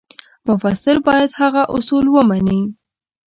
مفسر باید هغه اصول ومني.